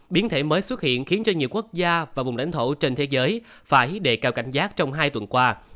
biến thể mới xuất hiện khiến cho nhiều quốc gia và vùng lãnh thổ trên thế giới phải đề cao cảnh giác trong hai tuần qua